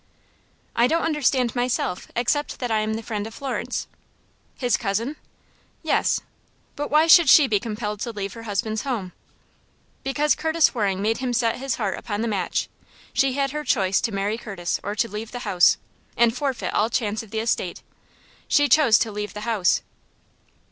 "I don't understand myself, except that I am the friend of Florence." "His cousin?" "Yes." "But why should she be compelled to leave her uncle's home?" "Because Curtis Waring made him set his heart upon the match. She had her choice to marry Curtis or to leave the house, and forfeit all chance of the estate. She chose to leave the house."